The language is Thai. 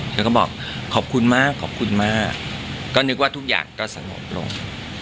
แล้วก็บอกขอบคุณมากขอบคุณมากก็นึกว่าทุกอย่างก็สงบลง